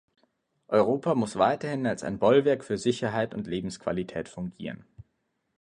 Europa muss weiterhin als ein Bollwerk für Sicherheit und Lebensqualität fungieren.